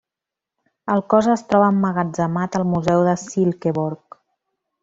El cos es troba emmagatzemat al Museu de Silkeborg.